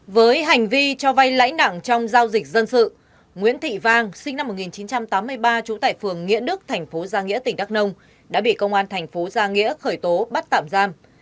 với hành vi cho vay lãnh nặng trong giao dịch dân sự nguyễn thị vang sinh năm một nghìn chín trăm tám mươi ba trú tại phường nghĩa đức thành phố gia nghĩa tỉnh đắk nông đã bị công an thành phố gia nghĩa khởi tố bắt tạm giam